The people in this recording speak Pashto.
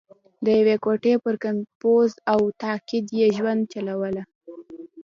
د یوې ګوتې پر کمپوز او تقاعد یې ژوند چلوله.